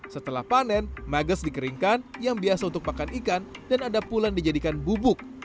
setelah panen maggots dikeringkan yang biasa untuk pakan ikan dan ada pulan dijadikan bubuk